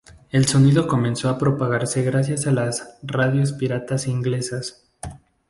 El sonido comenzó a propagarse gracias a las radios piratas inglesas.